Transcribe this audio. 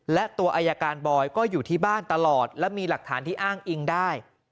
และตัวอายการบอยก็อยู่ที่บ้านตลอดและมีหลักฐานที่อ้างอิงได้